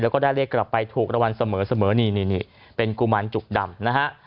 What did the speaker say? แล้วก็ได้เลขกลับไปถูกรางวัลเสมอนี่นี่เป็นกุมารจุกดำนะฮะ